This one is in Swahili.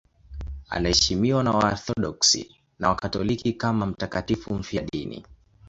Anaheshimiwa na Waorthodoksi na Wakatoliki kama mtakatifu mfiadini.